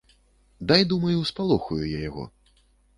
Дай, думаю, спалохаю я яго.